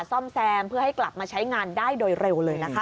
ซ่อมแซมเพื่อให้กลับมาใช้งานได้โดยเร็วเลยนะคะ